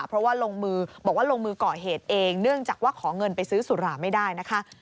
เพราะว่าลงมือบอกว่าลงมือก่อเหตุเองเนื่องจากว่าขอเงินไปซื้อสุราไม่ได้นะคะ